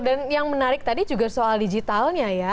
yang menarik tadi juga soal digitalnya ya